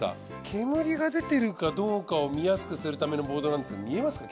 煙が出てるかどうかを見やすくするためのボードなんですけど見えますか？